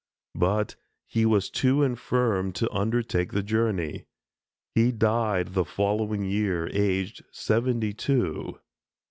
But he was too infirm to undertake the journey. He died the following year, aged seventy two.